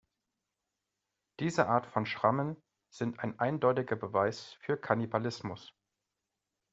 Diese Art von Schrammen sind ein eindeutiger Beweis für Kannibalismus.